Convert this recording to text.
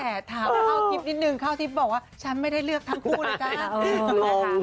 แต่ถามเข้าทิพย์นิดนึงข้าวทิพย์บอกว่าฉันไม่ได้เลือกทั้งคู่เลยจ้า